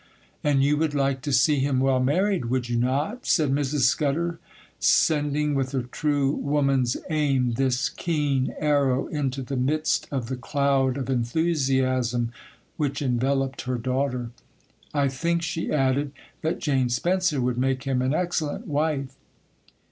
'And you would like to see him well married, would you not?' said Mrs. Scudder, sending, with a true woman's aim, this keen arrow into the midst of the cloud of enthusiasm which enveloped her daughter. 'I think,' she added, 'that Jane Spencer would make him an excellent wife.